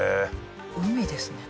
海ですね。